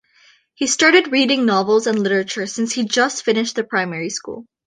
He started reading novels and literature since he just finished the primary school.